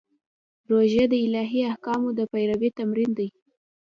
روژه د الهي احکامو د پیروي تمرین دی.